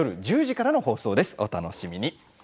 お楽しみに。